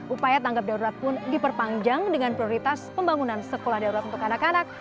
upaya tanggap darurat pun diperpanjang dengan prioritas pembangunan sekolah darurat untuk anak anak